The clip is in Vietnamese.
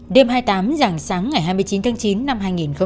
đêm hai mươi tám giảng sáng ngày hai mươi chín tháng chín năm hai nghìn chín